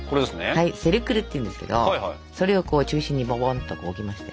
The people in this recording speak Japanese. はいセルクルっていうんですけどそれを中心にボコンと置きまして。